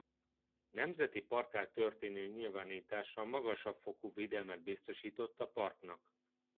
Nemzeti parkká történő nyilvánítása magasabb fokú védelmet biztosított a parknak.